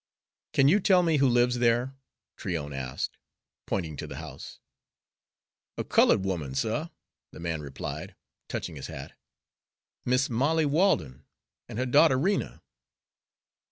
"Can you tell me who lives there?" Tryon asked, pointing to the house. "A callud 'oman, suh," the man replied, touching his hat. "Mis' Molly Walden an' her daughter Rena."